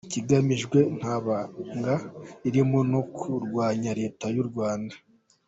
Ikigamijwe ntabanga ririmo no kurwanya Leta y’u Rwanda.